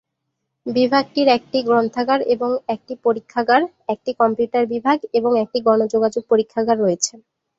বিভাগটির একটি গ্রন্থাগার এবং একটি পরীক্ষাগার, একটি কম্পিউটার বিভাগ এবং একটি গণ যোগাযোগ পরীক্ষাগার রয়েছে।